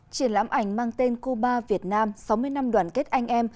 triển lãm ảnh mang tên cuba việt nam sáu mươi năm đoàn kết anh em